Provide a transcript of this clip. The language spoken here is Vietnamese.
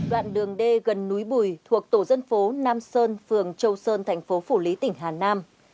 đoạn đường d gần núi bùi thuộc tổ dân phố nam sơn phường châu sơn thành phố phủ lý tỉnh hà nam